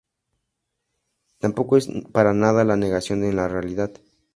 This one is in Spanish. Tampoco es para nada la negación de la realidad.